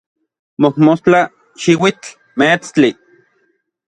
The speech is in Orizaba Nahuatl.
mojmostla, xiuitl, meetstli